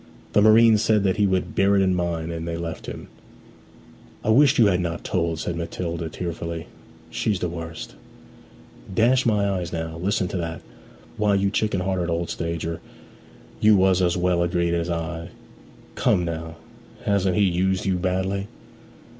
The marine said that he would bear it in mind, and they left him. 'I wish you had not told,' said Matilda tearfully. 'She's the worst!' 'Dash my eyes now; listen to that! Why, you chicken hearted old stager, you was as well agreed as I. Come now; hasn't he used you badly?'